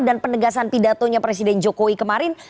dan penegasan pidatonya presiden jokowi kemarin